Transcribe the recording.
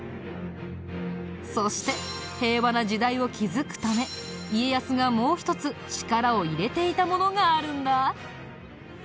そして平和な時代を築くため家康がもう一つ力を入れていたものがあるんだ。